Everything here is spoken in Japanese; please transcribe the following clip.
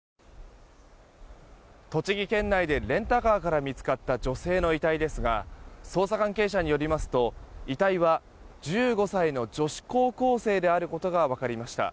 栃木県内でレンタカーから見つかった女性の遺体ですが捜査関係者によりますと遺体は１５歳の女子高校生であることが分かりました。